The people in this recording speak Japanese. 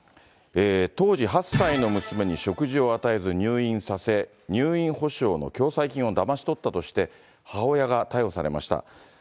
当時８歳の娘に食事を与えず入院させ、入院保障の共済金をだまし取ったとして、母親が逮捕されました。